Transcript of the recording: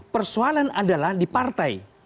persoalan adalah di partai